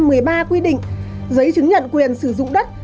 giấy chứng nhận quyền sử dụng đất